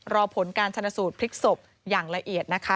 รอผลการชนสูตรพลิกศพอย่างละเอียดนะคะ